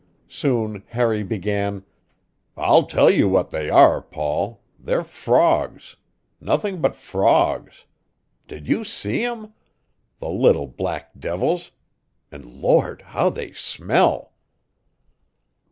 Soon Harry began: "I'll tell you what they are, Paul; they're frogs. Nothing but frogs. Did you see 'em? The little black devils! And Lord, how they smell!"